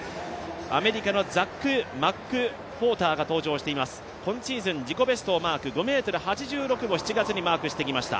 アメリカのザック・マックフォーターが登場しています、今シーズン、自己ベストをマーク５ｍ８６を７月にマークしてきました。